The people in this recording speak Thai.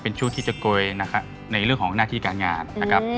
เป็นช่วงที่จะโกยนะครับในเรื่องของหน้าที่การงานนะครับ